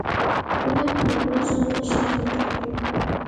د ناوی لومړی ږغ له شرمه ډک وي.